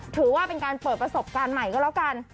ถือว่าเป็นการเปิดประสบการณ์ใหม่ก็แล้วกัน